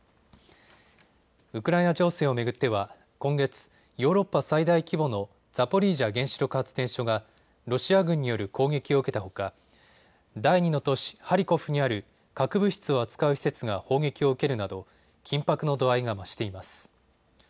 ウクライナ情勢を巡っては今月、ヨーロッパ最大規模のザポリージャ原子力発電所がロシア軍による攻撃を受けたほか第２の都市、ハリコフにある核物質を扱う施設が砲撃を受けるなど緊迫の度合いが増しています。